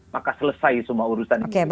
maka selesai semua urusan ini